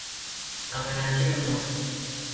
ตามเวลาที่กำหนด